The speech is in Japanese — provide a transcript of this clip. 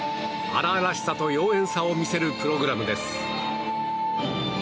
荒々しさと妖艶さを見せるプログラムです。